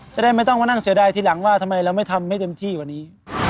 จะได้ไม่ต้องมานั่งเสียดายทีหลังว่าทำไมเราไม่ทำให้เต็มที่กว่านี้